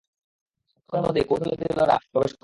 কিছুক্ষণের মধ্যেই কৌশলীদলেরা প্রবেশ করবে।